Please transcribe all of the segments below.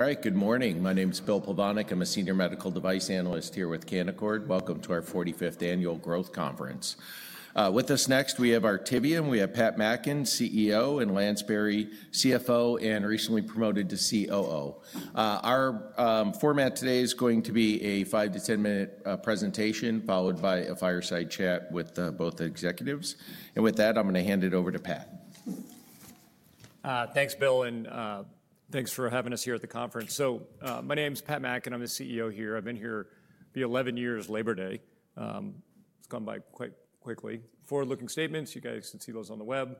All right, good morning. My name is Bill Plovanic. I'm a Senior Medical Device Analyst here with Canaccord. Welcome to our 45th Annual Growth Conference. With us next, we have Artivion. We have Pat Mackin, CEO, and Lance Berry, CFO and recently promoted to COO. Our format today is going to be a 5 minute-10 minute presentation followed by a fireside chat with both executives. With that, I'm going to hand it over to Pat. Thanks, Bill, and thanks for having us here at the conference. My name is Pat Mackin. I'm the CEO here. I've been here for 11 years, Labor Day. It's gone by quite quickly. Forward-looking statements, you guys can see those on the web.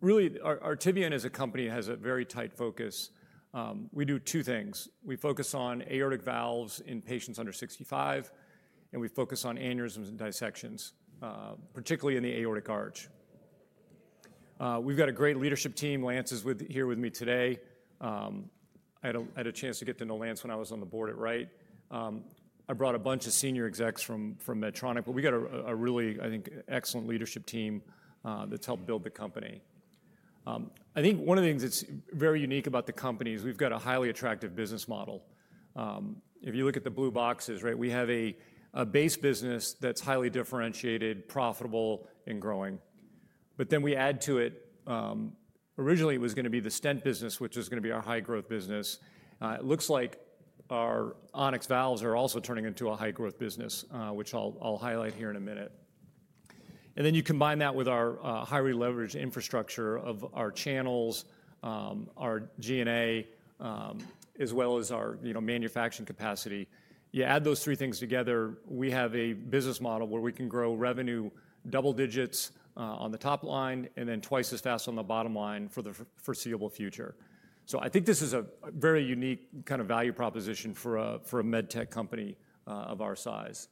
Really, Artivion as a company has a very tight focus. We do two things. We focus on aortic valves in patients under 65, and we focus on aneurysms and dissections, particularly in the aortic arch. We've got a great leadership team. Lance is here with me today. I had a chance to get to know Lance when I was on the board at Wright. I brought a bunch of senior execs from Medtronic. We got a really, I think, excellent leadership team that's helped build the company. I think one of the things that's very unique about the company is we've got a highly attractive business model. If you look at the blue boxes, right, we have a base business that's highly differentiated, profitable, and growing. We add to it, originally it was going to be the stent business, which was going to be our high-growth business. It looks like our On-X valves are also turning into a high-growth business, which I'll highlight here in a minute. You combine that with our highly leveraged infrastructure of our channels, our G&A, as well as our manufacturing capacity. You add those three things together, we have a business model where we can grow revenue double digits on the top line and then twice as fast on the bottom line for the foreseeable future. I think this is a very unique kind of value proposition for a med tech company of our size.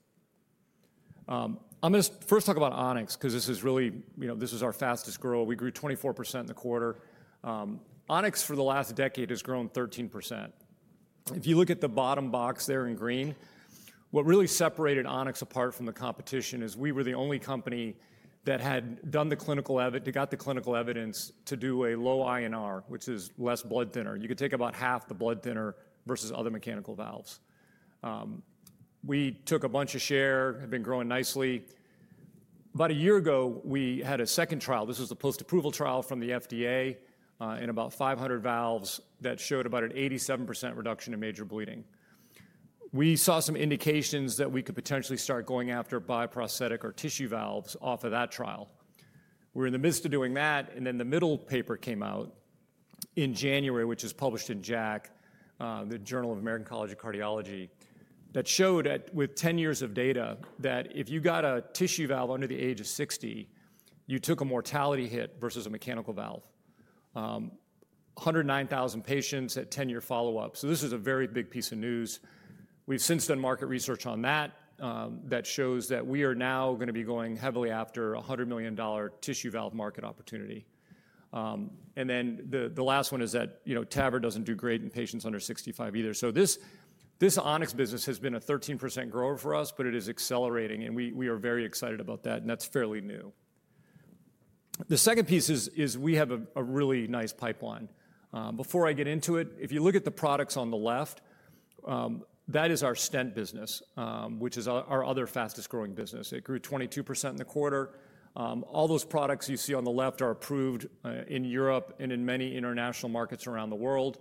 I'm going to first talk about On-X because this is really, you know, this is our fastest grower. We grew 24% in the quarter. On-X for the last decade has grown 13%. If you look at the bottom box there in green, what really separated On-X apart from the competition is we were the only company that had done the clinical, got the clinical evidence to do a low INR, which is less blood thinner. You could take about half the blood thinner versus other mechanical valves. We took a bunch of share, have been growing nicely. About a year ago, we had a second trial. This was a post-approval trial from the FDA in about 500 valves that showed about an 87% reduction in major bleeding. We saw some indications that we could potentially start going after bioprosthetic or tissue valves off of that trial. We're in the midst of doing that, and then the middle paper came out in January, which was published in JACC, the Journal of the American College of Cardiology, that showed that with 10 years of data that if you got a tissue valve under the age of 60, you took a mortality hit versus a mechanical valve. 109,000 patients at 10-year follow-up. This is a very big piece of news. We've since done market research on that that shows that we are now going to be going heavily after a $100 million tissue valve market opportunity. The last one is that, you know, TAVR doesn't do great in patients under 65 either. This On-X Aortic Heart Valve business has been a 13% grower for us, but it is accelerating, and we are very excited about that, and that's fairly new. The second piece is we have a really nice pipeline. Before I get into it, if you look at the products on the left, that is our stent business, which is our other fastest growing business. It grew 22% in the quarter. All those products you see on the left are approved in Europe and in many international markets around the world.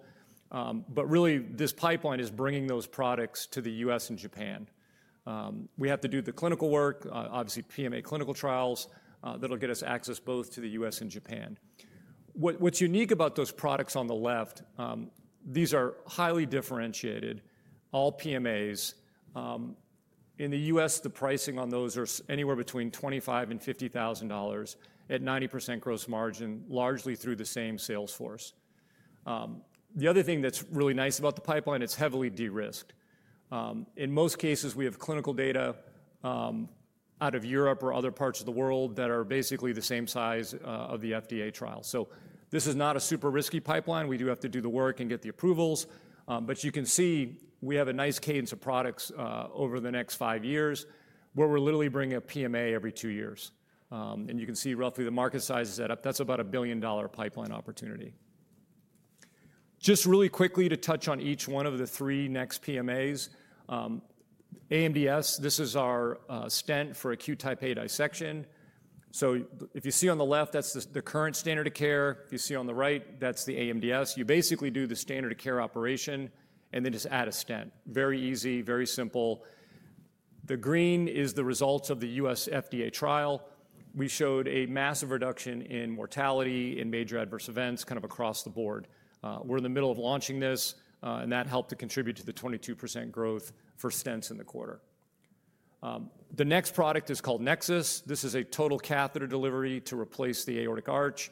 This pipeline is bringing those products to the U.S. and Japan. We have to do the clinical work, obviously PMA clinical trials that will get us access both to the U.S. and Japan. What's unique about those products on the left, these are highly differentiated, all PMAs. In the U.S., the pricing on those is anywhere between $25,000 and $50,000 at 90% gross margin, largely through the same sales force. The other thing that's really nice about the pipeline, it's heavily de-risked. In most cases, we have clinical data out of Europe or other parts of the world that are basically the same size of the FDA trial. This is not a super risky pipeline. We do have to do the work and get the approvals. You can see we have a nice cadence of products over the next five years where we're literally bringing a PMA every two years. You can see roughly the market size is set up. That's about a $1 billion pipeline opportunity. Just really quickly to touch on each one of the three next PMAs. AMDS Hybrid Prosthesis, this is our stent for acute type A dissection. If you see on the left, that's the current standard of care. If you see on the right, that's the AMDS Hybrid Prosthesis. You basically do the standard of care operation and then just add a stent. Very easy, very simple. The green is the results of the U.S. FDA trial. We showed a massive reduction in mortality and major adverse events kind of across the board. We're in the middle of launching this, and that helped to contribute to the 22% growth for stents in the quarter. The next product is called Nexus. This is a total catheter delivery to replace the aortic arch.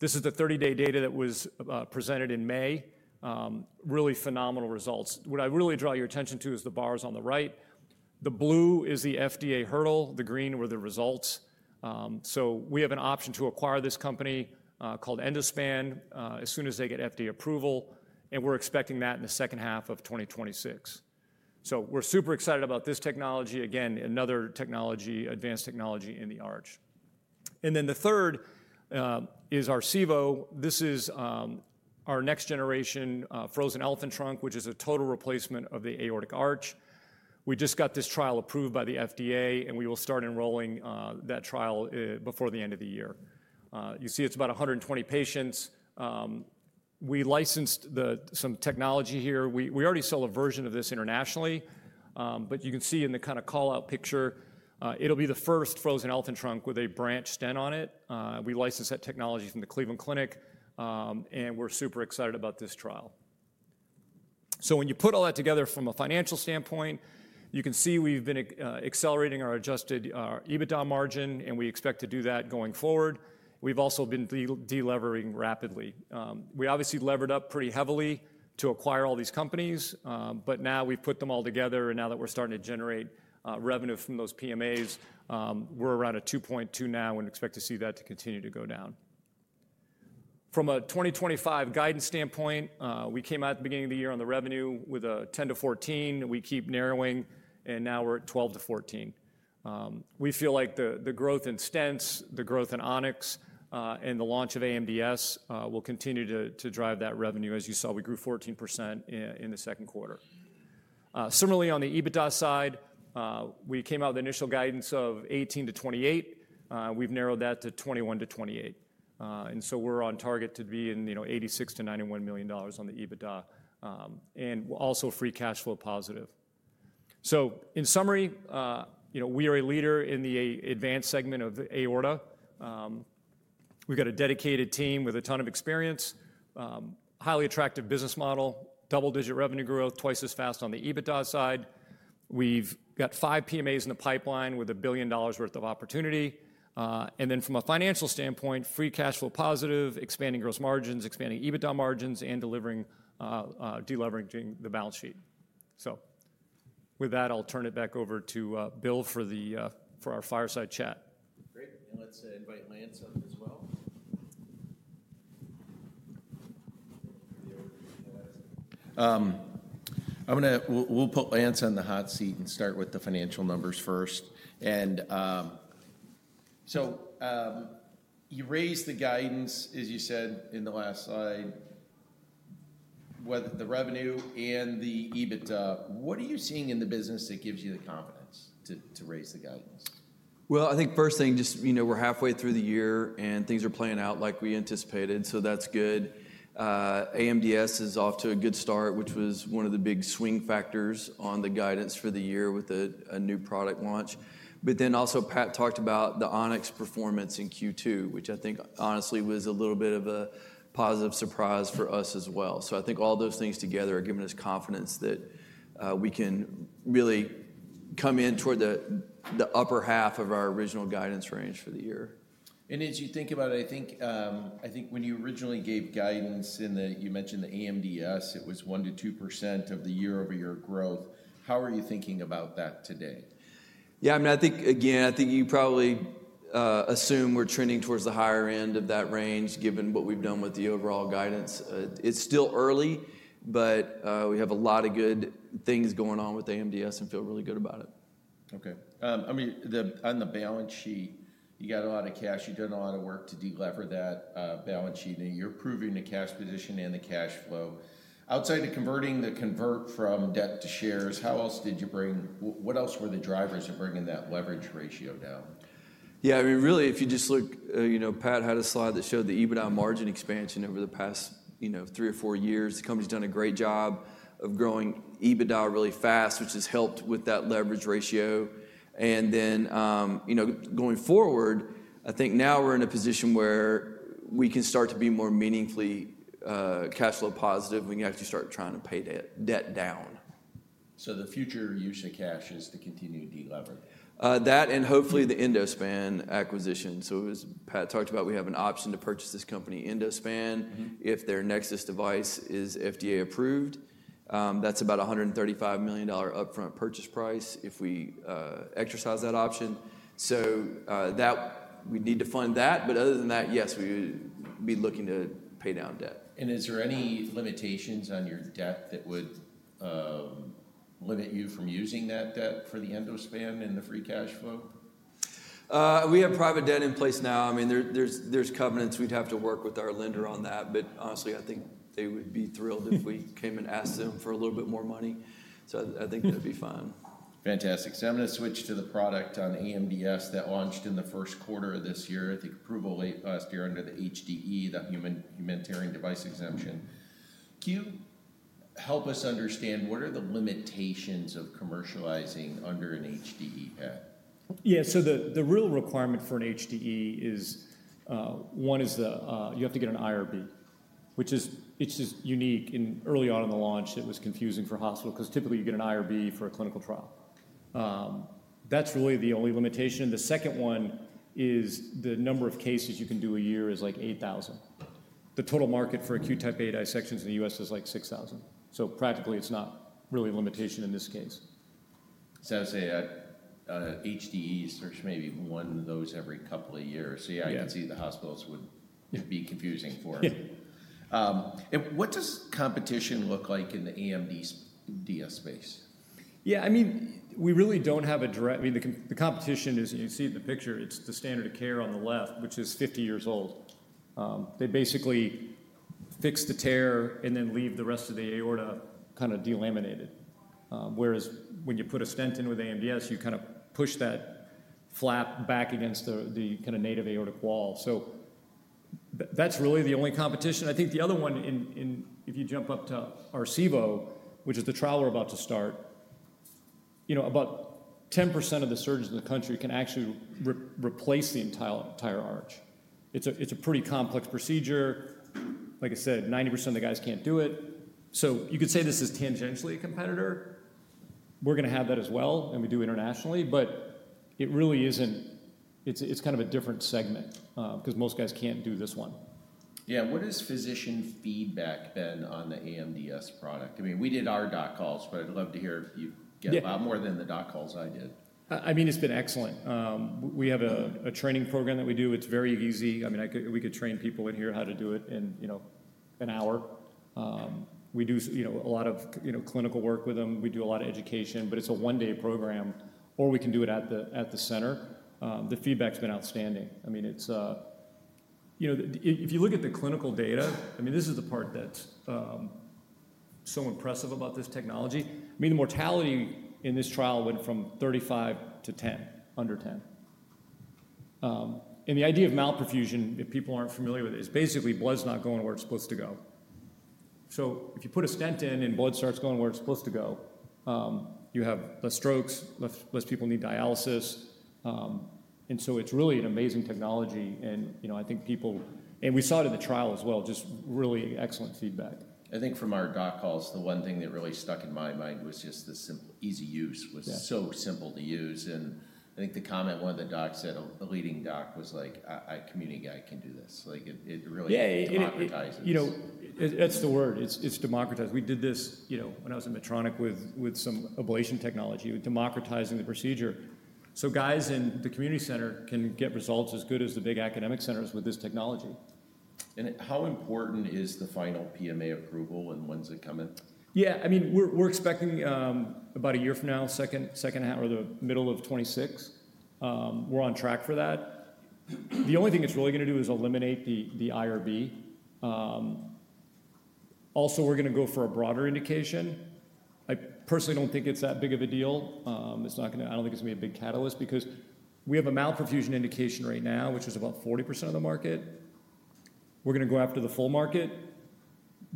This is the 30-day data that was presented in May. Really phenomenal results. What I really draw your attention to is the bars on the right. The blue is the FDA hurdle. The green were the results. We have an option to acquire this company called Endospan as soon as they get FDA approval. We're expecting that in the second half of 2026. We're super excited about this technology. Again, another technology, advanced technology in the arch. The third is our SEVO. This is our next generation frozen elephant trunk, which is a total replacement of the aortic arch. We just got this trial approved by the FDA, and we will start enrolling that trial before the end of the year. You see, it's about 120 patients. We licensed some technology here. We already sell a version of this internationally. You can see in the kind of call-out picture, it'll be the first frozen elephant trunk with a branch stent on it. We licensed that technology from the Cleveland Clinic, and we're super excited about this trial. When you put all that together from a financial standpoint, you can see we've been accelerating our adjusted EBITDA margin, and we expect to do that going forward. We've also been delevering rapidly. We obviously levered up pretty heavily to acquire all these companies, but now we've put them all together, and now that we're starting to generate revenue from those PMAs, we're around a 2.2 now and expect to see that to continue to go down. From a 2025 guidance standpoint, we came out at the beginning of the year on the revenue with a 10-14. We keep narrowing, and now we're at 12-14. We feel like the growth in stents, the growth in On-X, and the launch of AMDS will continue to drive that revenue. As you saw, we grew 14% in the second quarter. Similarly, on the EBITDA side, we came out with the initial guidance of 18-28. We've narrowed that to 21-28. We're on target to be in, you know, $86 million-$91 million on the EBITDA and also free cash flow positive. In summary, we are a leader in the advanced segment of aorta. We've got a dedicated team with a ton of experience, highly attractive business model, double-digit revenue growth, twice as fast on the EBITDA side. We've got five PMAs in the pipeline with a $1 billion worth of opportunity. From a financial standpoint, free cash flow positive, expanding gross margins, expanding EBITDA margins, and delivering, deleveraging the balance sheet. With that, I'll turn it back over to Bill for our fireside chat. Great. Let's invite Lance as well. We'll put Lance in the hot seat and start with the financial numbers first. You raised the guidance, as you said in the last slide, whether the revenue and the EBITDA. What are you seeing in the business that gives you the confidence to raise the guidance? I think first thing, just, you know, we're halfway through the year and things are playing out like we anticipated. That's good. AMDS is off to a good start, which was one of the big swing factors on the guidance for the year with a new product launch. Pat talked about the On-X performance in Q2, which I think honestly was a little bit of a positive surprise for us as well. I think all those things together are giving us confidence that we can really come in toward the upper half of our original guidance range for the year. As you think about it, I think when you originally gave guidance in that, you mentioned the AMDS Hybrid Prosthesis, it was 1%-2% of the year-over-year growth. How are you thinking about that today? Yeah, I mean, I think you probably assume we're trending towards the higher end of that range given what we've done with the overall guidance. It's still early, but we have a lot of good things going on with AMDS Hybrid Prosthesis and feel really good about it. Okay. I mean, on the balance sheet, you got a lot of cash. You've done a lot of work to delever that balance sheet. You're proving the cash position and the cash flow. Outside of converting the convert from debt to shares, how else did you bring, what else were the drivers of bringing that leverage ratio down? Yeah, I mean, really, if you just look, you know, Pat had a slide that showed the EBITDA margin expansion over the past, you know, three or four years. The company's done a great job of growing EBITDA really fast, which has helped with that leverage ratio. Going forward, I think now we're in a position where we can start to be more meaningfully cash flow positive when you actually start trying to pay that debt down. The future use of cash is to continue to delever. That and hopefully the Endospan acquisition. As Pat talked about, we have an option to purchase this company, Endospan, if their Nexus device is FDA approved. That's about a $135 million upfront purchase price if we exercise that option. We need to fund that. Other than that, yes, we would be looking to pay down debt. Is there any limitations on your debt that would limit you from using that debt for the Endospan and the free cash flow? We have private debt in place now. I mean, there are covenants. We'd have to work with our lender on that. Honestly, I think they would be thrilled if we came and asked them for a little bit more money. I think that'd be fine. Fantastic. I'm going to switch to the product on AMDS that launched in the first quarter of this year, I think approval late last year under the HDE, the Humanitarian Device Exemption. Can you help us understand what are the limitations of commercializing under an HDE? Yeah, so the real requirement for an HDE is, one is you have to get an IRB, which is unique. Early on in the launch, it was confusing for hospital because typically you get an IRB for a clinical trial. That's really the only limitation. The second one is the number of cases you can do a year is like 8,000. The total market for acute type A dissections in the U.S. is like 6,000. Practically, it's not really a limitation in this case. I'd say a HDE search, maybe one of those every couple of years. I can see the hospitals would be confusing for it. What does competition look like in the AMDS space? Yeah, I mean, we really don't have a direct, I mean, the competition is, you see it in the picture, it's the standard of care on the left, which is 50 years old. They basically fix the tear and then leave the rest of the aorta kind of delaminated. Whereas when you put a stent in with AMDS Hybrid Prosthesis, you kind of push that flap back against the kind of native aortic wall. That's really the only competition. I think the other one, if you jump up to our SEVO, which is the trial we're about to start, about 10% of the surgeons in the country can actually replace the entire arch. It's a pretty complex procedure. Like I said, 90% of the guys can't do it. You could say this is tangentially a competitor. We're going to have that as well, and we do internationally, but it really isn't, it's kind of a different segment because most guys can't do this one. Yeah, what has physician feedback been on the AMDS Hybrid Prosthesis product? I mean, we did our doc calls, but I'd love to hear if you get a lot more than the doc calls I did. I mean, it's been excellent. We have a training program that we do. It's very easy. I mean, we could train people in here how to do it in, you know, an hour. We do a lot of clinical work with them. We do a lot of education, but it's a one-day program, or we can do it at the center. The feedback's been outstanding. If you look at the clinical data, this is the part that's so impressive about this technology. The mortality in this trial went from 35% to under 10%. The idea of malperfusion, if people aren't familiar with it, is basically blood's not going where it's supposed to go. If you put a stent in and blood starts going where it's supposed to go, you have fewer strokes, fewer people need dialysis. It's really an amazing technology. I think people, and we saw it at the trial as well, just really excellent feedback. I think from our doc calls, the one thing that really stuck in my mind was just the easy use, was so simple to use. I think the comment one of the docs said, a leading doc was like, "A community guy can do this." It really democratizes. That's the word. It's democratized. We did this when I was in Medtronic with some ablation technology, democratizing the procedure. Guys in the community center can get results as good as the big academic centers with this technology. How important is the final PMA approval, and when's it coming? Yeah, I mean, we're expecting about a year from now, second half or the middle of 2026. We're on track for that. The only thing it's really going to do is eliminate the IRB. Also, we're going to go for a broader indication. I personally don't think it's that big of a deal. I don't think it's going to be a big catalyst because we have a malperfusion indication right now, which is about 40% of the market. We're going to go after the full market.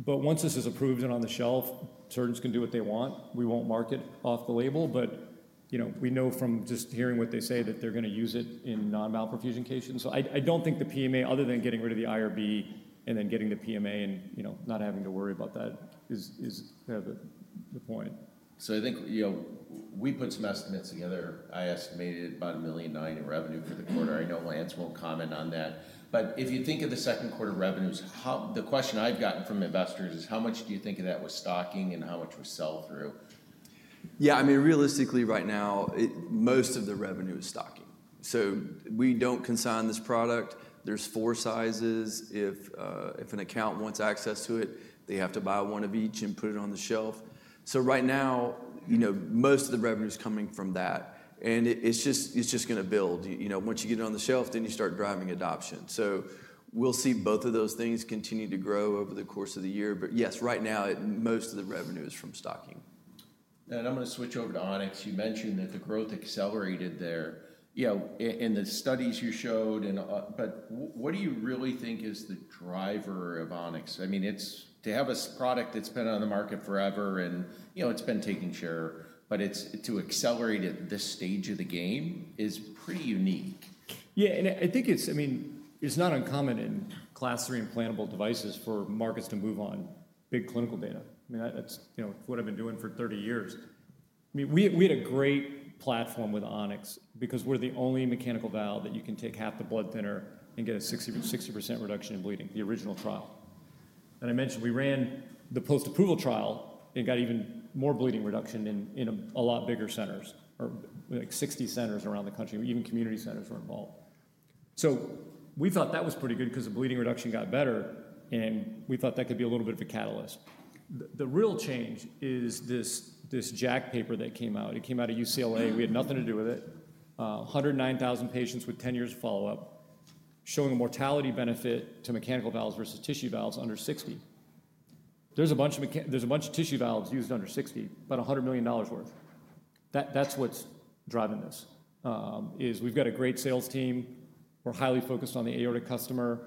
Once this is approved and on the shelf, surgeons can do what they want. We won't market off the label, but you know, we know from just hearing what they say that they're going to use it in non-malperfusion cases. I don't think the PMA, other than getting rid of the IRB and then getting the PMA and, you know, not having to worry about that, is kind of the point. I think, you know, we put some estimates together. I estimated about $1.9 million in revenue for the quarter. I know Lance will comment on that. If you think of the second quarter revenues, the question I've gotten from investors is how much do you think of that was stocking and how much was sell-through? Yeah, I mean, realistically, right now, most of the revenue is stocking. We don't consign this product. There's four sizes. If an account wants access to it, they have to buy one of each and put it on the shelf. Right now, most of the revenue is coming from that, and it's just going to build. Once you get it on the shelf, you start driving adoption. We will see both of those things continue to grow over the course of the year. Yes, right now, most of the revenue is from stocking. I'm going to switch over to On-X. You mentioned that the growth accelerated there in the studies you showed. What do you really think is the driver of On-X? I mean, it's to have a product that's been on the market forever and it's been taking share, but to accelerate at this stage of the game is pretty unique. Yeah, and I think it's, I mean, it's not uncommon in class three implantable devices for markets to move on big clinical data. I mean, that's, you know, what I've been doing for 30 years. I mean, we had a great platform with On-X because we're the only mechanical valve that you can take half the blood thinner and get a 60% reduction in bleeding, the original trial. I mentioned we ran the post-approval trial and got even more bleeding reduction in a lot bigger centers, or like 60 centers around the country, even community centers were involved. We thought that was pretty good because the bleeding reduction got better, and we thought that could be a little bit of a catalyst. The real change is this JACC paper that came out. It came out of UCLA. We had nothing to do with it. 109,000 patients with 10 years of follow-up showing a mortality benefit to mechanical valves versus tissue valves under 60. There's a bunch of tissue valves used under 60, about $100 million worth. That's what's driving this, is we've got a great sales team. We're highly focused on the aortic customer.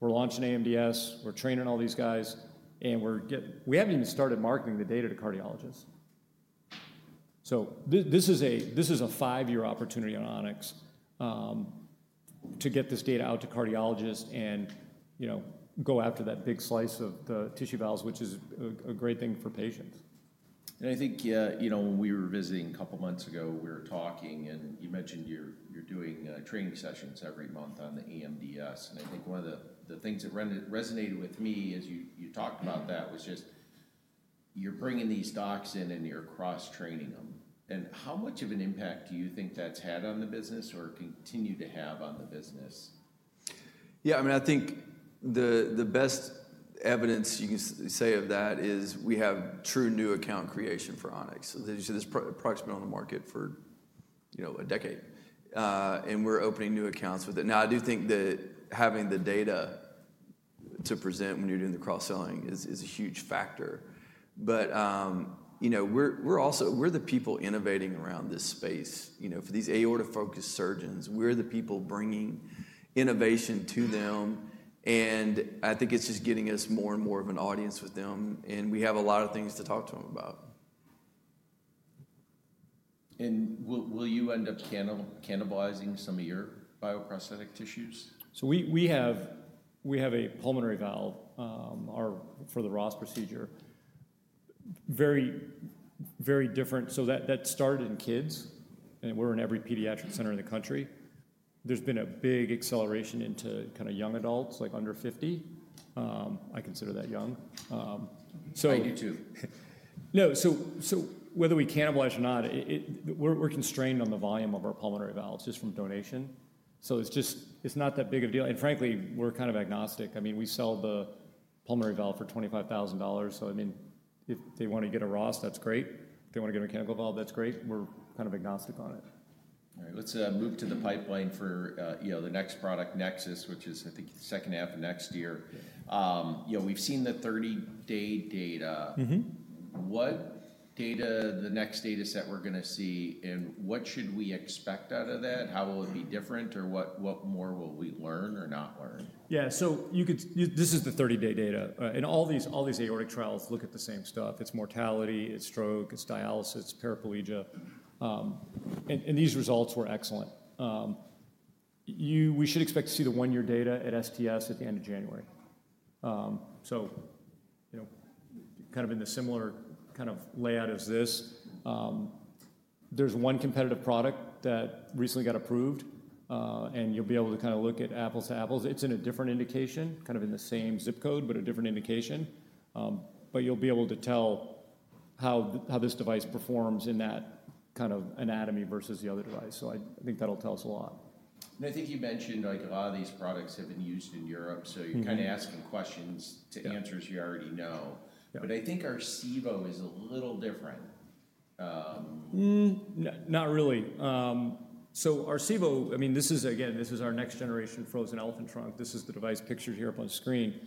We're launching AMDS. We're training all these guys, and we haven't even started marketing the data to cardiologists. This is a five-year opportunity on On-X to get this data out to cardiologists and, you know, go after that big slice of the tissue valves, which is a great thing for patients. I think, you know, when we were visiting a couple of months ago, we were talking, and you mentioned you're doing training sessions every month on the AMDS Hybrid Prosthesis. One of the things that resonated with me as you talked about that was just you're bringing these docs in and you're cross-training them. How much of an impact do you think that's had on the business or continued to have on the business? Yeah, I mean, I think the best evidence you can say of that is we have true new account creation for On-X. So there's a product that's been on the market for, you know, a decade, and we're opening new accounts with it. I do think that having the data to present when you're doing the cross-selling is a huge factor. We're also the people innovating around this space for these aorta-focused surgeons. We're the people bringing innovation to them, and I think it's just getting us more and more of an audience with them. We have a lot of things to talk to them about. Will you end up cannibalizing some of your bioprosthetic tissues? We have a pulmonary valve for the ROS procedure. Very, very different. That started in kids, and we're in every pediatric center in the country. There's been a big acceleration into kind of young adults, like under 50. I consider that young. I do too. No, whether we cannibalize or not, we're constrained on the volume of our pulmonary valves just from donation. It's not that big of a deal. Frankly, we're kind of agnostic. I mean, we sell the pulmonary valve for $25,000. If they want to get a ROS, that's great. If they want to get a mechanical valve, that's great. We're kind of agnostic on it. All right, let's move to the pipeline for the next product, Nexus, which is, I think, the second half of next year. We've seen the 30-day data. What data is the next data set we're going to see, and what should we expect out of that? How will it be different, or what more will we learn or not learn? Yeah, so you could, this is the 30-day data. All these aortic trials look at the same stuff. It's mortality, it's stroke, it's dialysis, paraplegia. These results were excellent. We should expect to see the one-year data at STS at the end of January. You know, kind of in the similar kind of layout as this, there's one competitive product that recently got approved, and you'll be able to kind of look at apples to apples. It's in a different indication, kind of in the same zip code, but a different indication. You'll be able to tell how this device performs in that kind of anatomy versus the other device. I think that'll tell us a lot. I think you mentioned a lot of these products have been used in Europe. You're kind of asking questions to answers you already know. I think our SEVO is a little different. Not really. Our SEVO, I mean, this is, again, our next generation frozen elephant trunk. This is the device pictured here up on the screen.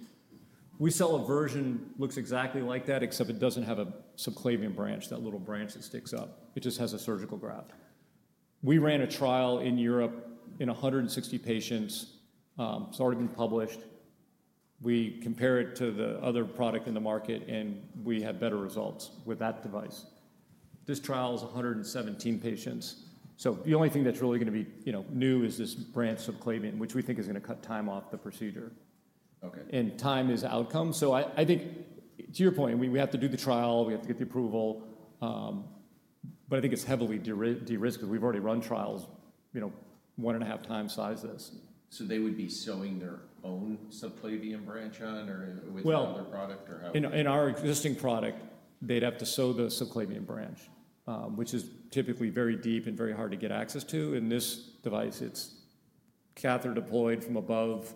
We sell a version that looks exactly like that, except it doesn't have a subclavian branch, that little branch that sticks up. It just has a surgical graft. We ran a trial in Europe in 160 patients, started and published. We compare it to the other product in the market, and we had better results with that device. This trial is 117 patients. The only thing that's really going to be new is this branch subclavian, which we think is going to cut time off the procedure. Okay. Time is outcome. I think, to your point, we have to do the trial. We have to get the approval. I think it's heavily de-risked because we've already run trials, you know, one and a half times the size of this. Would they be sewing their own subclavian branch on or with another product, or how? In our existing product, they'd have to sew the subclavian branch, which is typically very deep and very hard to get access to. In this device, it's catheter deployed from above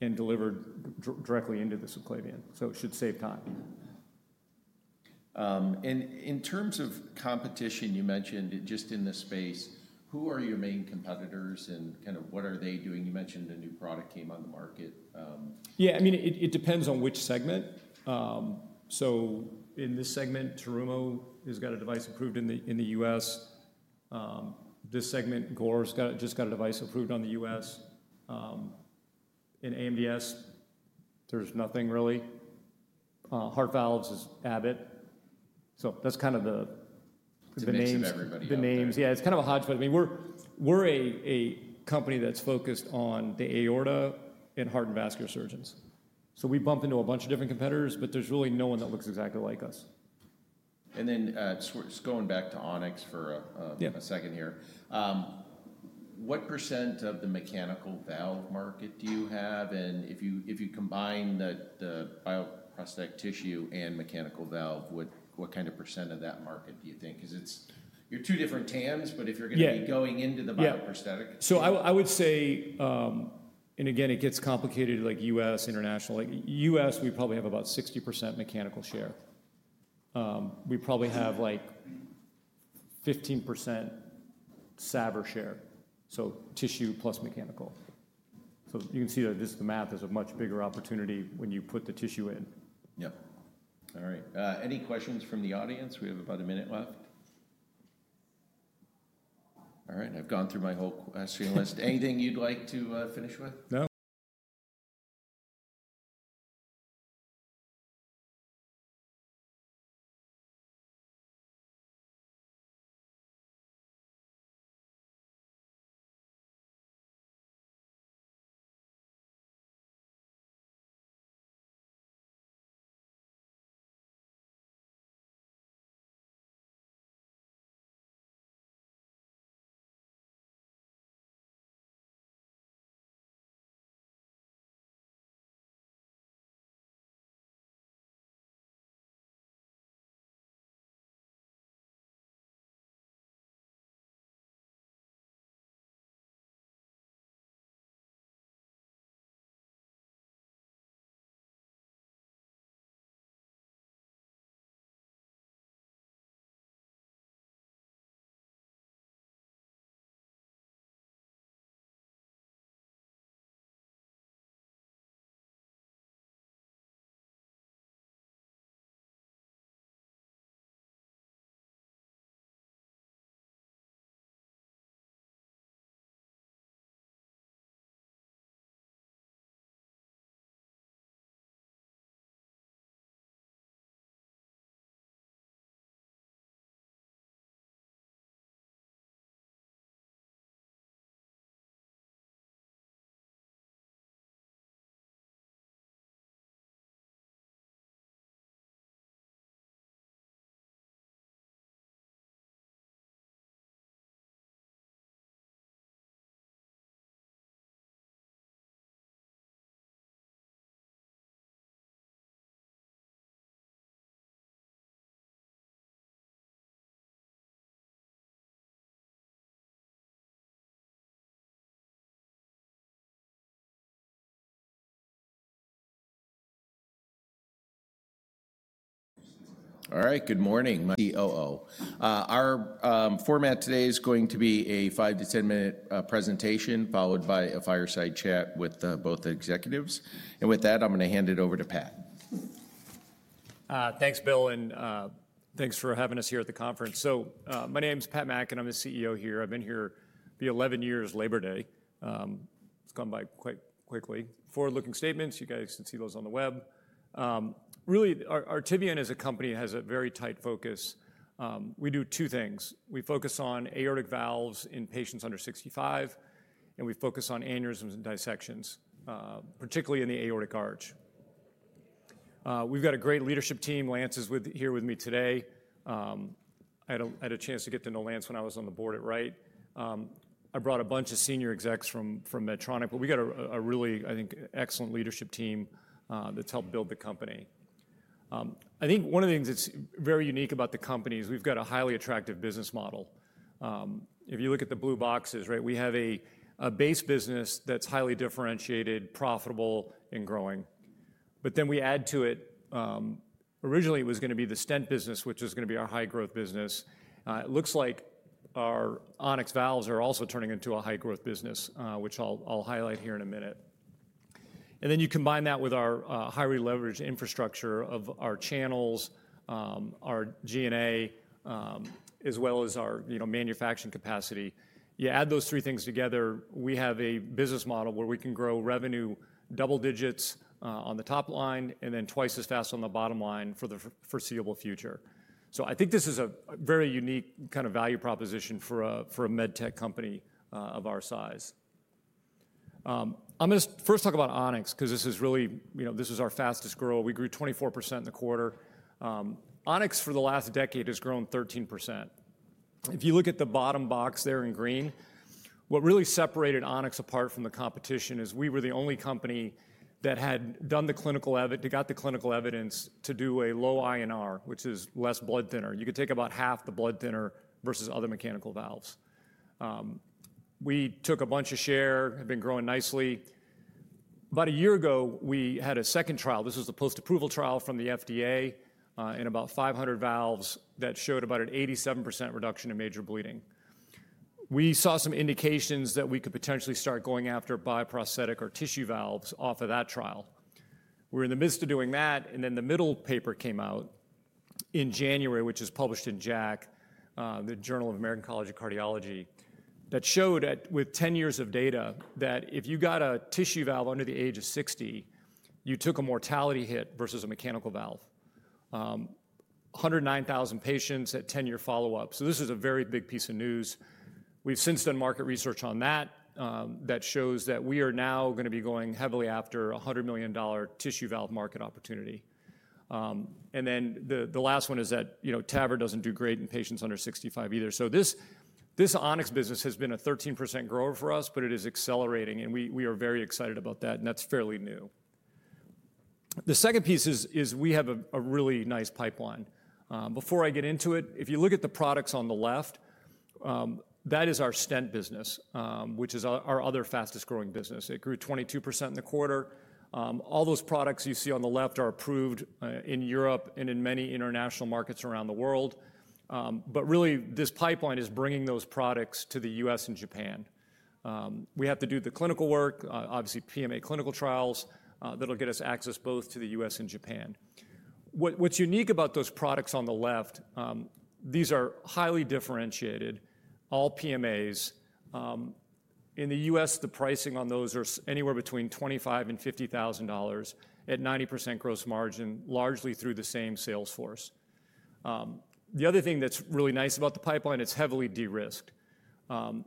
and delivered directly into the subclavian. It should save time. In terms of competition, you mentioned just in the space, who are your main competitors and kind of what are they doing? You mentioned a new product came on the market. Yeah, I mean, it depends on which segment. In this segment, Terumo has got a device approved in the U.S. This segment, Gore's just got a device approved in the U.S. In AMDS, there's nothing really. Heart Valves is Abbott. That's kind of the names. It's missing everybody. The names, yeah, it's kind of a hodgepodge. I mean, we're a company that's focused on the aorta and heart and vascular surgeons. We bump into a bunch of different competitors, but there's really no one that looks exactly like us. Going back to On-X for a second here, what percent of the mechanical valve market do you have? If you combine the bioprosthetic tissue and mechanical valve, what kind of percent of that market do you think? You're two different TAMs, but if you're going to be going into the bioprosthetic. I would say, again, it gets complicated like U.S., international. Like U.S., we probably have about 60% mechanical share. We probably have like 15% SAVR share, so tissue plus mechanical. You can see that just the math is a much bigger opportunity when you put the tissue in. All right. Any questions from the audience? We have about a minute left. All right. I've gone through my whole question list. Anything you'd like to finish with? Yeah, yeah. All right. Good morning. COO. Our format today is going to be a 5 minue-10 minute presentation followed by a fireside chat with both executives. With that, I'm going to hand it over to Pat. Thanks, Bill, and thanks for having us here at the conference. My name's Pat Mackin. I'm the CEO here. I've been here for 11 years, Labor Day. It's gone by quite quickly. Forward-looking statements, you guys can see those on the web. Artivion is a company that has a very tight focus. We do two things. We focus on aortic valves in patients under 65, and we focus on aneurysms and dissections, particularly in the aortic arch. We've got a great leadership team. Lance is here with me today. I had a chance to get to know Lance when I was on the board at Wright. I brought a bunch of senior execs from Medtronic. We got a really, I think, excellent leadership team that's helped build the company. I think one of the things that's very unique about the company is we've got a highly attractive business model. If you look at the blue boxes, we have a base business that's highly differentiated, profitable, and growing. We add to it, originally it was going to be the stent business, which is going to be our high-growth business. It looks like our On-X valves are also turning into a high-growth business, which I'll highlight here in a minute. You combine that with our highly leveraged infrastructure of our channels, our G&A, as well as our manufacturing capacity. You add those three things together, we have a business model where we can grow revenue double digits on the top line and then twice as fast on the bottom line for the foreseeable future. I think this is a very unique kind of value proposition for a med tech company of our size. I'm going to first talk about On-X because this is really, you know, this was our fastest grower. We grew 24% in the quarter. On-X, for the last decade, has grown 13%. If you look at the bottom box there in green, what really separated On-X apart from the competition is we were the only company that had done the clinical, got the clinical evidence to do a low INR, which is less blood thinner. You could take about half the blood thinner versus other mechanical valves. We took a bunch of share, had been growing nicely. About a year ago, we had a second trial. This was a post-approval trial from the FDA in about 500 valves that showed about an 87% reduction in major bleeding. We saw some indications that we could potentially start going after bioprosthetic or tissue valves off of that trial. We're in the midst of doing that, and then the middle paper came out in January, which is published in JACC, the Journal of the American College of Cardiology, that showed that with 10 years of data, if you got a tissue valve under the age of 60, you took a mortality hit versus a mechanical valve. 109,000 patients at 10-year follow-up. This is a very big piece of news. We've since done market research on that that shows that we are now going to be going heavily after a $100 million tissue valve market opportunity. The last one is that, you know, TAVR doesn't do great in patients under 65 either. This On-X Aortic Heart Valve business has been a 13% grower for us, but it is accelerating, and we are very excited about that, and that's fairly new. The second piece is we have a really nice pipeline. Before I get into it, if you look at the products on the left, that is our stent business, which is our other fastest growing business. It grew 22% in the quarter. All those products you see on the left are approved in Europe and in many international markets around the world. This pipeline is bringing those products to the U.S. and Japan. We have to do the clinical work, obviously PMA clinical trials that'll get us access both to the U.S. and Japan. What's unique about those products on the left, these are highly differentiated, all PMAs. In the U.S., the pricing on those is anywhere between $25,000 and $50,000 at 90% gross margin, largely through the same sales force. The other thing that's really nice about the pipeline, it's heavily de-risked.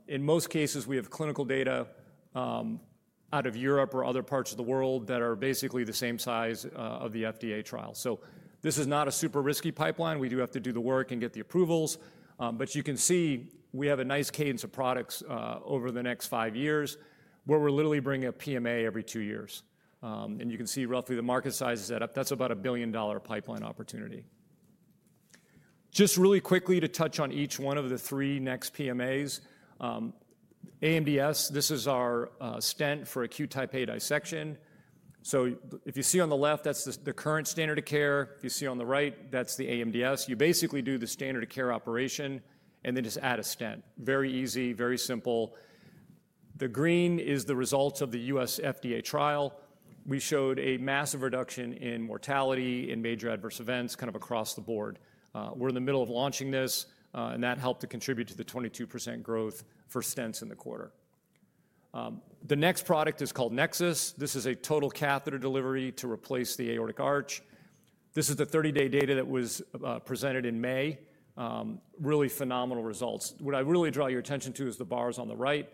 In most cases, we have clinical data out of Europe or other parts of the world that are basically the same size of the FDA trial. This is not a super risky pipeline. We do have to do the work and get the approvals. You can see we have a nice cadence of products over the next five years where we're literally bringing a PMA every two years. You can see roughly the market size is set up. That's about a $1 billion pipeline opportunity. Just really quickly to touch on each one of the three next PMAs. AMDS Hybrid Prosthesis, this is our stent for acute type A dissection. If you see on the left, that's the current standard of care. If you see on the right, that's the AMDS Hybrid Prosthesis. You basically do the standard of care operation and then just add a stent. Very easy, very simple. The green is the results of the U.S. FDA trial. We showed a massive reduction in mortality and major adverse events kind of across the board. We're in the middle of launching this, and that helped to contribute to the 22% growth for stents in the quarter. The next product is called Nexus. This is a total catheter delivery to replace the aortic arch. This is the 30-day data that was presented in May. Really phenomenal results. What I really draw your attention to is the bars on the right.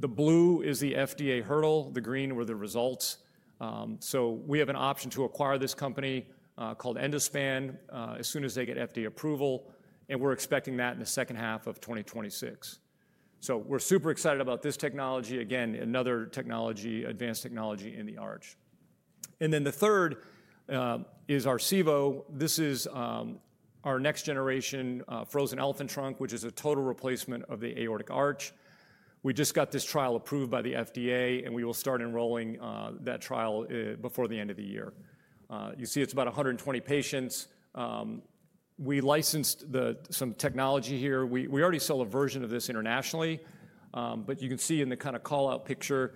The blue is the FDA hurdle. The green were the results. We have an option to acquire this company called Endospan as soon as they get FDA approval. We're expecting that in the second half of 2026. We're super excited about this technology. Again, another technology, advanced technology in the arch. The third is our SEVO. This is our next generation frozen elephant trunk, which is a total replacement of the aortic arch. We just got this trial approved by the FDA, and we will start enrolling that trial before the end of the year. You see, it's about 120 patients. We licensed some technology here. We already sell a version of this internationally. You can see in the kind of call-out picture,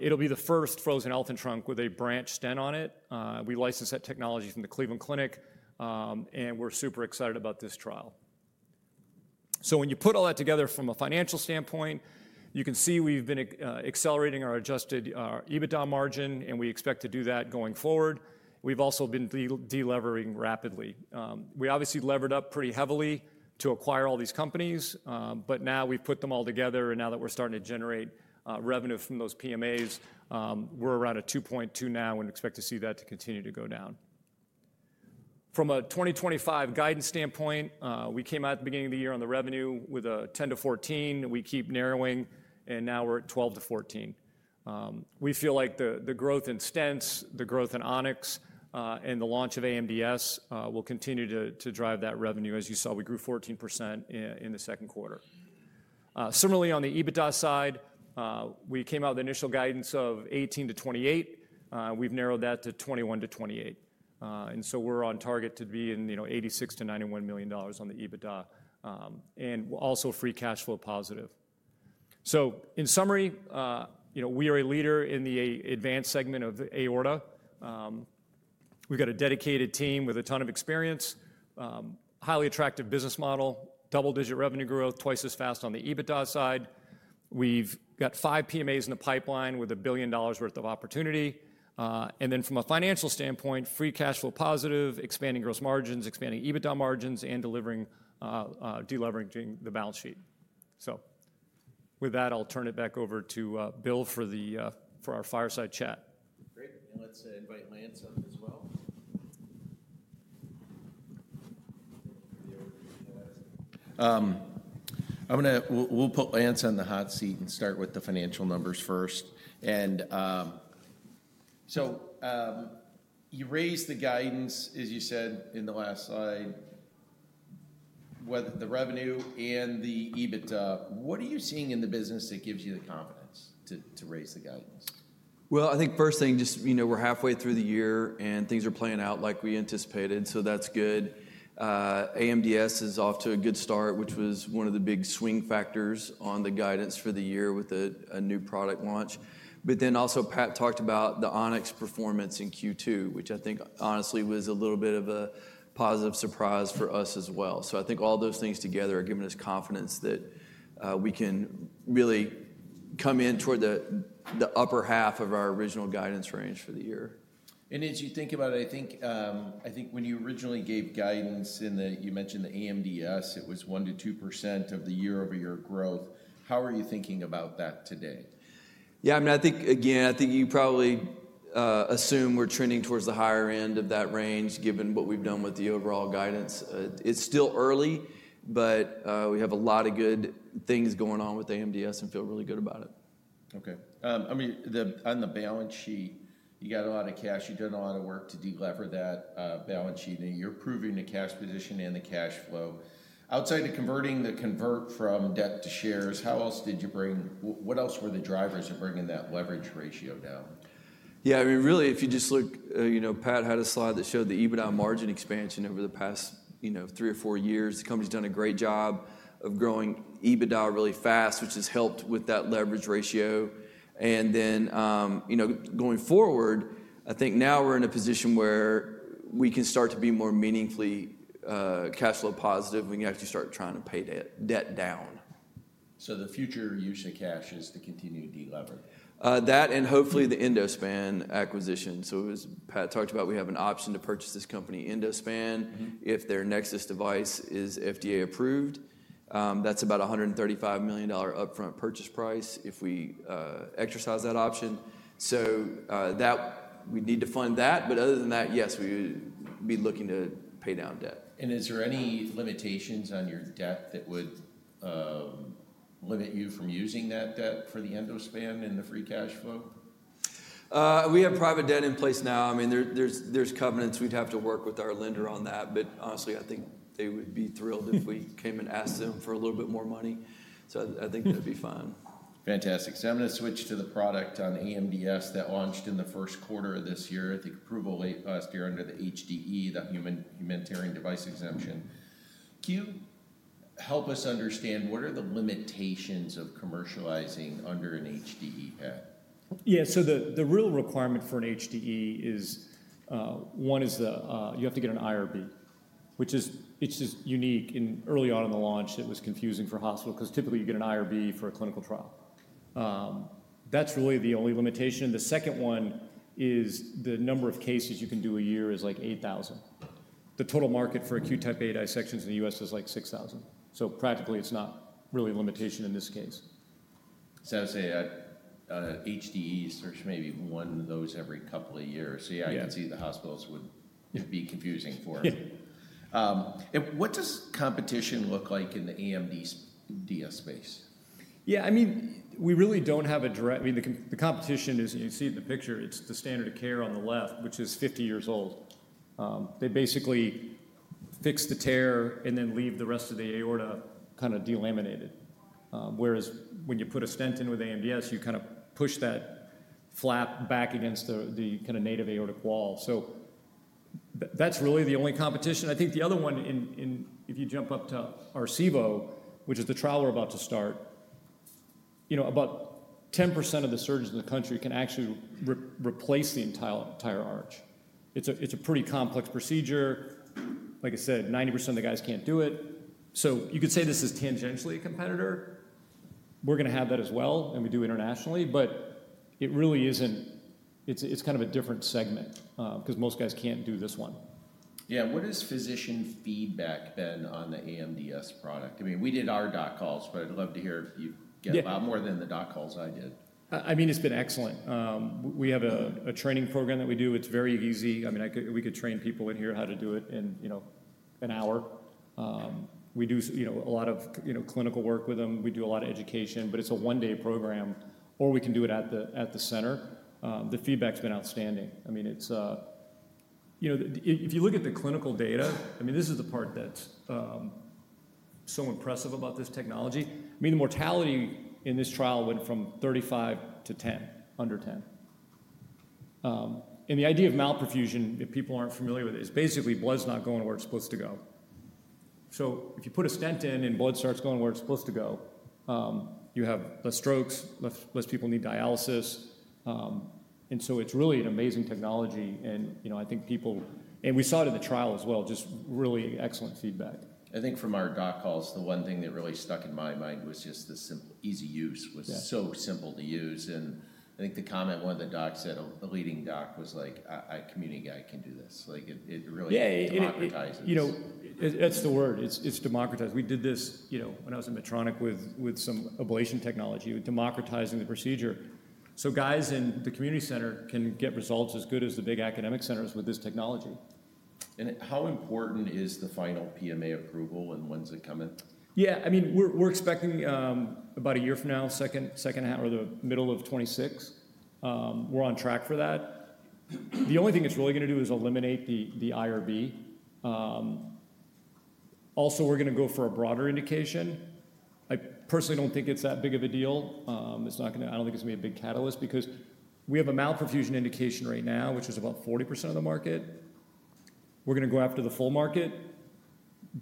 it'll be the first frozen elephant trunk with a branch stent on it. We licensed that technology from the Cleveland Clinic, and we're super excited about this trial. When you put all that together from a financial standpoint, you can see we've been accelerating our adjusted EBITDA margin, and we expect to do that going forward. We've also been deleveraging rapidly. We obviously levered up pretty heavily to acquire all these companies, but now we've put them all together, and now that we're starting to generate revenue from those PMAs, we're around a 2.2 now and expect to see that continue to go down. From a 2025 guidance standpoint, we came out at the beginning of the year on the revenue with a 10-14, and we keep narrowing, and now we're at 12-14. We feel like the growth in stents, the growth in On-X, and the launch of AMDS will continue to drive that revenue. As you saw, we grew 14% in the second quarter. Similarly, on the EBITDA side, we came out with the initial guidance of 18-28. We've narrowed that to 21-28. We're on target to be in, you know, $86 million-$91 million on the EBITDA and also free cash flow positive. In summary, we are a leader in the advanced segment of the aorta. We've got a dedicated team with a ton of experience, a highly attractive business model, double-digit revenue growth, twice as fast on the EBITDA side. We've got five PMAs in the pipeline with a $1 billion worth of opportunity. From a financial standpoint, free cash flow positive, expanding gross margins, expanding EBITDA margins, and delivering, deleveraging the balance sheet. With that, I'll turn it back over to Bill for our fireside chat. Great. Let's invite Lance up as well. We'll put Lance in the hot seat and start with the financial numbers first. You raised the guidance, as you said in the last slide, whether the revenue and the EBITDA. What are you seeing in the business that gives you the confidence to raise the guidance? I think first thing, just, you know, we're halfway through the year and things are playing out like we anticipated. That's good. AMDS is off to a good start, which was one of the big swing factors on the guidance for the year with a new product launch. Pat talked about the On-X performance in Q2, which I think honestly was a little bit of a positive surprise for us as well. I think all those things together are giving us confidence that we can really come in toward the upper half of our original guidance range for the year. As you think about it, I think when you originally gave guidance in that, you mentioned the AMDS Hybrid Prosthesis, it was 1%-2% of the year-over-year growth. How are you thinking about that today? I think you probably assume we're trending towards the higher end of that range, given what we've done with the overall guidance. It's still early, but we have a lot of good things going on with AMDS and feel really good about it. Okay. I mean, on the balance sheet, you got a lot of cash. You've done a lot of work to delever that balance sheet, and you're improving the cash position and the cash flow. Outside of converting the convert from debt to shares, how else did you bring, what else were the drivers of bringing that leverage ratio down? Yeah, I mean, really, if you just look, you know, Pat had a slide that showed the EBITDA margin expansion over the past, you know, three or four years. The company's done a great job of growing EBITDA really fast, which has helped with that leverage ratio. You know, going forward, I think now we're in a position where we can start to be more meaningfully cash flow positive when you actually start trying to pay debt down. The future use of cash is to continue to delever. That and hopefully the Endospan acquisition. As Pat talked about, we have an option to purchase this company, Endospan, if their Nexus device is FDA approved. That's about a $135 million upfront purchase price if we exercise that option. We would need to fund that. Other than that, yes, we would be looking to pay down debt. Are there any limitations on your debt that would limit you from using that debt for Endospan and the free cash flow? We have private debt in place now. I mean, there are covenants. We'd have to work with our lender on that. Honestly, I think they would be thrilled if we came and asked them for a little bit more money. I think that'd be fine. Fantastic. I'm going to switch to the product on AMDS that launched in the first quarter of this year. I think approval last year under the HDE, the Humanitarian Device Exemption. Can you help us understand what are the limitations of commercializing under an HDE? Yeah, so the real requirement for an HDE is, one is you have to get an IRB, which is unique. Early on in the launch, it was confusing for hospital because typically you get an IRB for a clinical trial. That's really the only limitation. The second one is the number of cases you can do a year is like 8,000. The total market for acute type A dissections in the U.S. is like 6,000. Practically, it's not really a limitation in this case. I'd say a HDE search, maybe one of those every couple of years. I can see the hospitals would be confusing for them. What does competition look like in the AMDS space? Yeah, I mean, we really don't have a direct, I mean, the competition is, you see in the picture, it's the standard of care on the left, which is 50 years old. They basically fix the tear and then leave the rest of the aorta kind of delaminated. Whereas when you put a stent in with AMDS, you kind of push that flap back against the kind of native aortic wall. That's really the only competition. I think the other one, if you jump up to our SEVO, which is the trial we're about to start, you know, about 10% of the surgeons in the country can actually replace the entire arch. It's a pretty complex procedure. Like I said, 90% of the guys can't do it. You could say this is tangentially a competitor. We're going to have that as well, and we do internationally, but it really isn't, it's kind of a different segment because most guys can't do this one. Yeah, what has physician feedback been on the AMDS Hybrid Prosthesis product? I mean, we did our doc calls, but I'd love to hear if you get a lot more than the doc calls I did. I mean, it's been excellent. We have a training program that we do. It's very easy. I mean, we could train people in here how to do it in an hour. We do a lot of clinical work with them. We do a lot of education, but it's a one-day program, or we can do it at the center. The feedback's been outstanding. If you look at the clinical data, this is the part that's so impressive about this technology. The mortality in this trial went from 35% to under 10%. The idea of malperfusion, if people aren't familiar with it, is basically blood's not going where it's supposed to go. If you put a stent in and blood starts going where it's supposed to go, you have fewer strokes, fewer people need dialysis. It's really an amazing technology. I think people, and we saw it in the trial as well, just really excellent feedback. I think from our doc calls, the one thing that really stuck in my mind was just the easy use, was so simple to use. I think the comment one of the docs said, a leading doc was like, "A community guy can do this." Like it really democratizes. That's the word. It's democratized. We did this when I was in Medtronic with some ablation technology, democratizing the procedure. Guys in the community center can get results as good as the big academic centers with this technology. How important is the final PMA approval, and when's it coming? Yeah, I mean, we're expecting about a year from now, second half or the middle of 2026. We're on track for that. The only thing it's really going to do is eliminate the IRB. Also, we're going to go for a broader indication. I personally don't think it's that big of a deal. It's not going to, I don't think it's going to be a big catalyst because we have a malperfusion indication right now, which is about 40% of the market. We're going to go after the full market.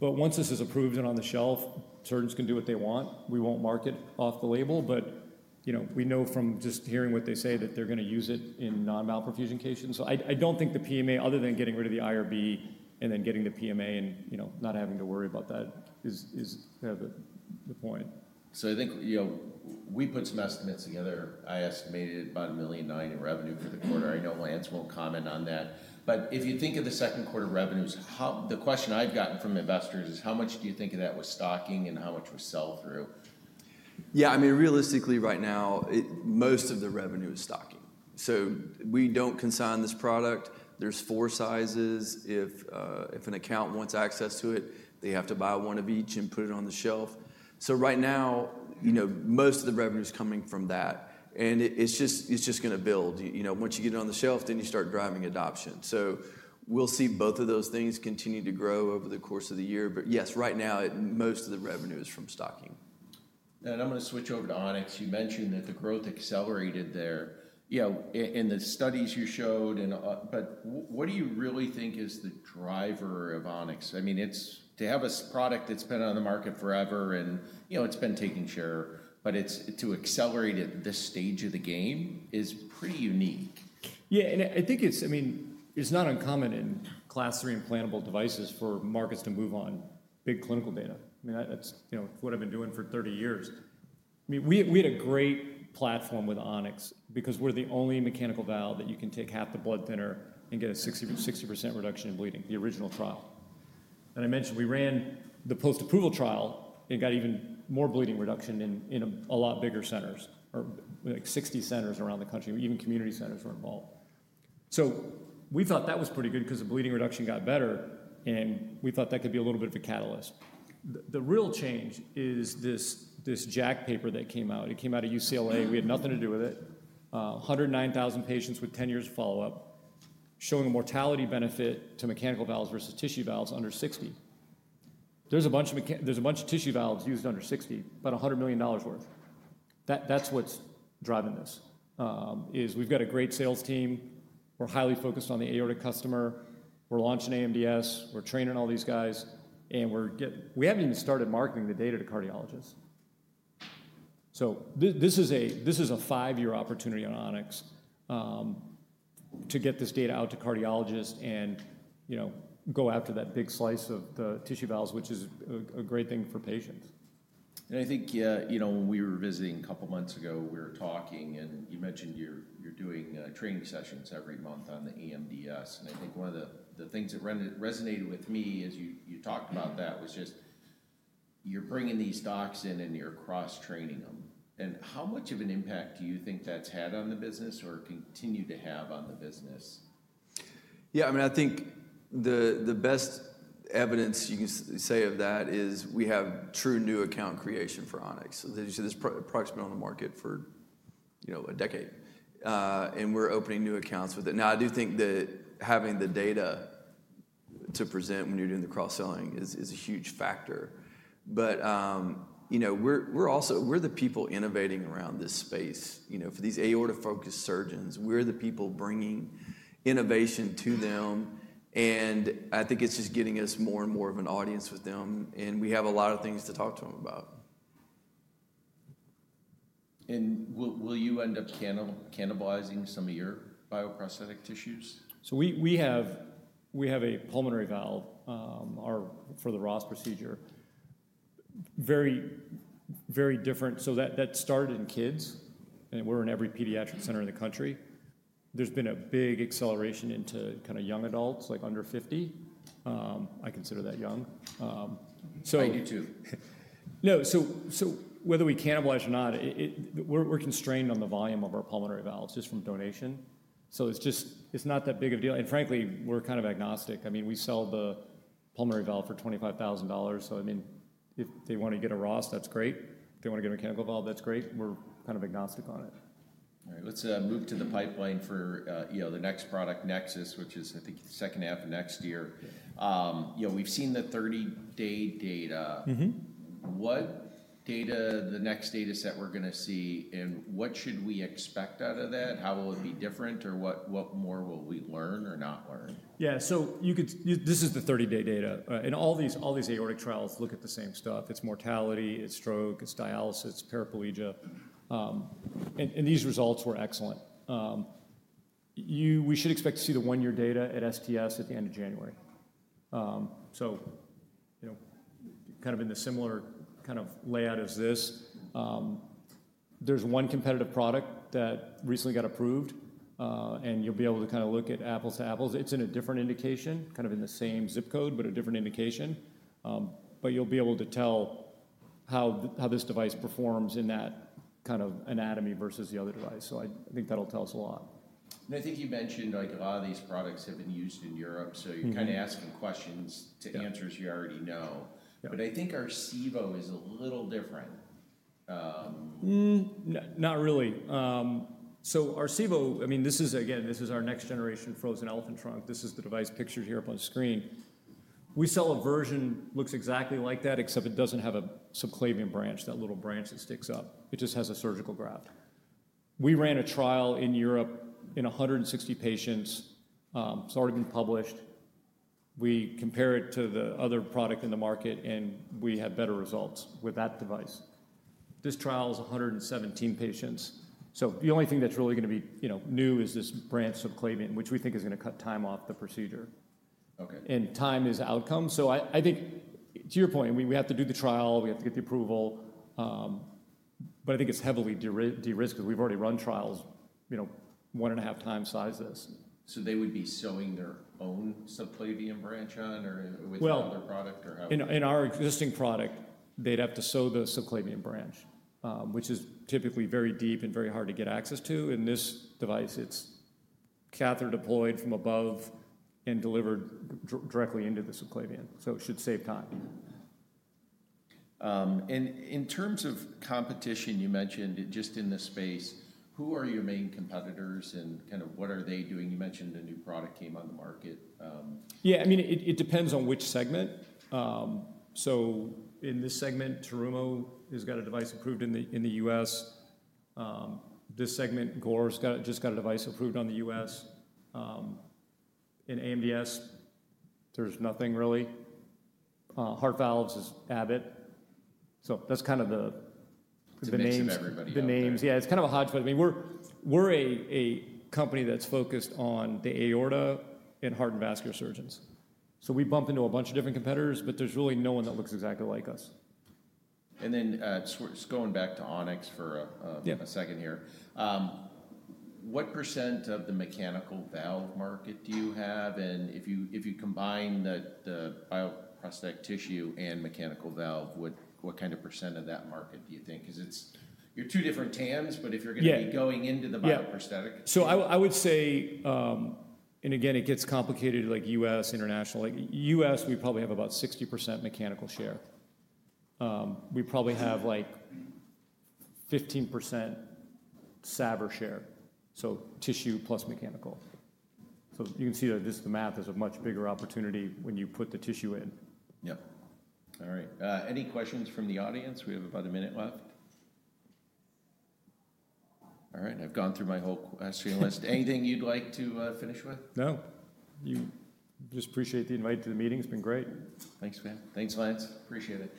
Once this is approved and on the shelf, surgeons can do what they want. We won't market off the label. You know, we know from just hearing what they say that they're going to use it in non-malperfusion cases. I don't think the PMA, other than getting rid of the IRB and then getting the PMA and, you know, not having to worry about that is kind of the point. I think, you know, we put some estimates together. I estimated about $1.9 million in revenue for the quarter. I know Lance will comment on that. If you think of the second quarter revenues, the question I've gotten from investors is how much do you think of that was stocking and how much was sell-through? Yeah, I mean, realistically, right now, most of the revenue is stocking. We don't consign this product. There are four sizes. If an account wants access to it, they have to buy one of each and put it on the shelf. Right now, most of the revenue is coming from that, and it's just going to build. Once you get it on the shelf, you start driving adoption. We will see both of those things continue to grow over the course of the year. Yes, right now, most of the revenue is from stocking. I'm going to switch over to On-X. You mentioned that the growth accelerated there in the studies you showed. What do you really think is the driver of On-X? I mean, to have a product that's been on the market forever, and it's been taking share, but to accelerate it at this stage of the game is pretty unique. Yeah, and I think it's, I mean, it's not uncommon in class three implantable devices for markets to move on big clinical data. I mean, that's, you know, what I've been doing for 30 years. I mean, we had a great platform with On-X because we're the only mechanical valve that you can take half the blood thinner and get a 60% reduction in bleeding, the original trial. I mentioned we ran the post-approval trial and got even more bleeding reduction in a lot bigger centers, or like 60 centers around the country, even community centers were involved. We thought that was pretty good because the bleeding reduction got better, and we thought that could be a little bit of a catalyst. The real change is this JACC paper that came out. It came out of UCLA. We had nothing to do with it. 109,000 patients with 10 years of follow-up showing a mortality benefit to mechanical valves versus tissue valves under 60. There's a bunch of tissue valves used under 60, about $100 million worth. That's what's driving this, is we've got a great sales team. We're highly focused on the aortic customer. We're launching AMDS. We're training all these guys, and we haven't even started marketing the data to cardiologists. This is a five-year opportunity on On-X to get this data out to cardiologists and, you know, go after that big slice of the tissue valves, which is a great thing for patients. I think, you know, when we were visiting a couple of months ago, we were talking, and you mentioned you're doing training sessions every month on the AMDS Hybrid Prosthesis. I think one of the things that resonated with me as you talked about that was just you're bringing these docs in and you're cross-training them. How much of an impact do you think that's had on the business or continued to have on the business? Yeah, I mean, I think the best evidence you can say of that is we have true new account creation for On-X. This product's been on the market for, you know, a decade, and we're opening new accounts with it. I do think that having the data to present when you're doing the cross-selling is a huge factor. We're also the people innovating around this space, you know, for these aorta-focused surgeons. We're the people bringing innovation to them. I think it's just getting us more and more of an audience with them, and we have a lot of things to talk to them about. Will you end up cannibalizing some of your bioprosthetic tissues? We have a pulmonary valve for the ROS procedure. Very, very different. That started in kids, and we're in every pediatric center in the country. There's been a big acceleration into kind of young adults, like under 50. I consider that young. I do too. Whether we cannibalize or not, we're constrained on the volume of our pulmonary valves just from donation. It's just not that big of a deal. Frankly, we're kind of agnostic. I mean, we sell the pulmonary valve for $25,000. If they want to get a ROS, that's great. If they want to get a mechanical valve, that's great. We're kind of agnostic on it. All right, let's move to the pipeline for the next product, Nexus, which is, I think, the second half of next year. We've seen the 30-day data. What data is the next data set we're going to see, and what should we expect out of that? How will it be different, or what more will we learn or not learn? Yeah, so you could, this is the 30-day data. All these aortic trials look at the same stuff. It's mortality, it's stroke, it's dialysis, paraplegia. These results were excellent. We should expect to see the one-year data at STS at the end of January. You know, kind of in the similar kind of layout as this, there's one competitive product that recently got approved, and you'll be able to kind of look at apples to apples. It's in a different indication, kind of in the same zip code, but a different indication. You'll be able to tell how this device performs in that kind of anatomy versus the other device. I think that'll tell us a lot. I think you mentioned a lot of these products have been used in Europe. You're kind of asking questions to answers you already know. I think our SEVO is a little different. Not really. Our SEVO, I mean, this is, again, our next generation frozen elephant trunk. This is the device pictured here up on the screen. We sell a version that looks exactly like that, except it doesn't have a subclavian branch, that little branch that sticks up. It just has a surgical graft. We ran a trial in Europe in 160 patients, started and published. We compare it to the other product in the market, and we had better results with that device. This trial is 117 patients. The only thing that's really going to be new is this branch subclavian, which we think is going to cut time off the procedure. Okay. Time is outcome. I think, to your point, we have to do the trial. We have to get the approval. I think it's heavily de-risked because we've already run trials, you know, 1.5 times size this. Would they be sewing their own subclavian branch on, or with another product, or how? In our existing product, they'd have to sew the subclavian branch, which is typically very deep and very hard to get access to. In this device, it's catheter deployed from above and delivered directly into the subclavian. It should save time. In terms of competition, you mentioned just in this space, who are your main competitors and kind of what are they doing? You mentioned a new product came on the market. Yeah, I mean, it depends on which segment. In this segment, Terumo has got a device approved in the U.S. This segment, Gore's just got a device approved in the U.S. In AMDS, there's nothing really. Heart Valves is Abbott. That's kind of the names. Pretty much everybody. The names, yeah, it's kind of a hodgepodge. I mean, we're a company that's focused on the aorta and heart and vascular surgeons. We bump into a bunch of different competitors, but there's really no one that looks exactly like us. Just going back to On-X for a second here, what percent of the mechanical valve market do you have? If you combine the bioprosthetic tissue and mechanical valve, what kind of percent of that market do you think? You're two different TAMs, but if you're going to be going into the bioprosthetic. I would say, again, it gets complicated like U.S., international. Like U.S., we probably have about 60% mechanical share. We probably have like 15% SAVR share, so tissue plus mechanical. You can see that this is the math. There's a much bigger opportunity when you put the tissue in. All right. Any questions from the audience? We have about a minute left. All right. I've gone through my whole question list. Anything you'd like to finish with? No, I just appreciate the invite to the meeting. It's been great. Thanks, Pat. Thanks, Lance. Appreciate it.